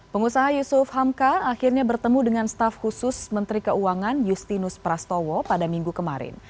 pengusaha yusuf hamka akhirnya bertemu dengan staf khusus menteri keuangan justinus prastowo pada minggu kemarin